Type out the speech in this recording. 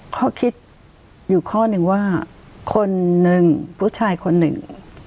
ข้อคิดอยู่ข้อหนึ่งว่าคนหนึ่งผู้ชายคนหนึ่ง